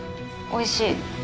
おいしい。